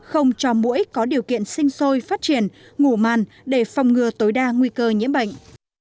không cho mũi có điều kiện sinh sôi phát triển ngủ màn để phòng ngừa tối đa nguy cơ nhiễm bệnh